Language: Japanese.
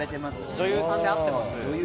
女優さんで合ってます。